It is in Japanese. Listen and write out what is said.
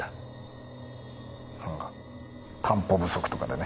何か担保不足とかでね。